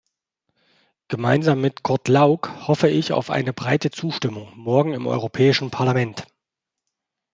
Gemeinsam mit Kurt Lauk hoffe ich auf eine breite Zustimmung morgen im Europäischen Parlament!